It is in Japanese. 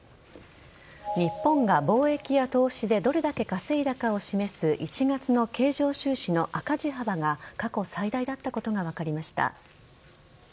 日本が貿易や投資でどれだけ稼いだかを示す１月の経常収支の赤字幅が過去最大だったことが分かりました。